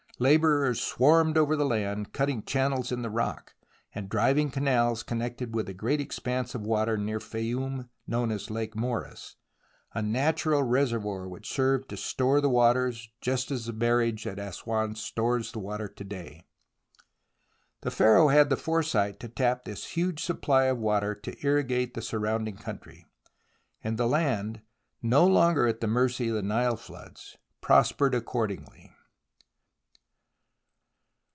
Labourers swarmed over the land, cutting channels in the rock, and driving canals connected with the great expanse of water near Fayoum known as Lake Moeris, a natural reservoir which served to store the water just as the barrage at Assouan stores the water to day. The Pharaoh had the foresight to tap this huge supply of water to irrigate the surrounding country, and the land, no longer at the mercy of the Nile floods, prospered accordingly.